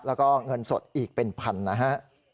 แล้วก็เงินสดอีกเป็นพันนะฮะ